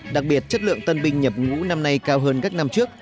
đặc biệt chất lượng tân binh nhập ngũ năm nay cao hơn các năm trước